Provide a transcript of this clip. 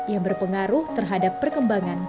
yang berpengaruh terhadap perkembangan sang anak